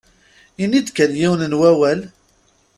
Ini-d kan yiwen n wawal.